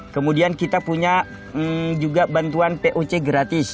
kemudian kita punya juga bantuan poc gratis